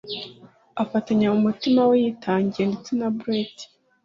Afatanya mu mutima we yitangiye ndetse na brute